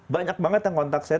banyak banget yang kontak saya